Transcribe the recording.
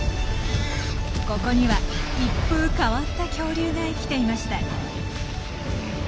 ここには一風変わった恐竜が生きていました。